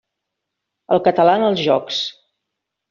El català en els jocs.